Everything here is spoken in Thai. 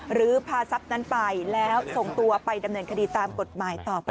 หรือพาทรัพย์นั้นไปแล้วส่งตัวไปดำเนินคดีตามกฎหมายต่อไป